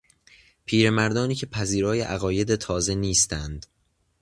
پیرمردانی که پذیرای عقاید تازه نیستند